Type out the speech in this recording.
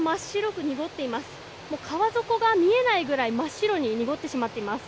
水が真っ白く濁っています。